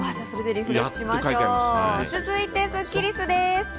続いてスッキりすです。